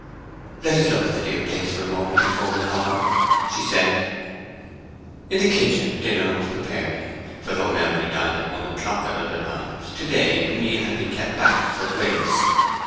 "Let us look at the dear place for a moment before we call them," she said. In the kitchen dinner was preparing; for though Melbury dined at one o'clock at other times, to day the meal had been kept back for Grace.